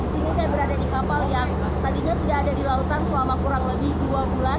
di sini saya berada di kapal yang tadinya sudah ada di lautan selama kurang lebih dua bulan